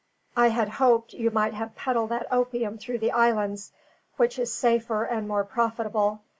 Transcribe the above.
I had hoped you might have peddled that opium through the islands, which is safer and more profitable.